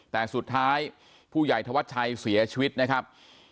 แต่สุดท้ายผู้ใหญ่ธวัชชัยเสียชีวิตนะครับ